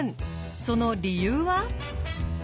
その理由は？